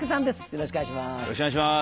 よろしくお願いします。